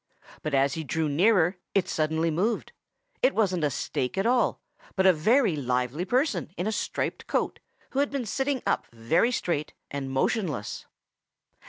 But as he drew nearer, it suddenly moved. It wasn't a stake at all, but a very lively small person in a striped coat who had been sitting up very straight and motionless.